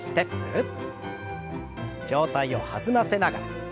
上体を弾ませながら。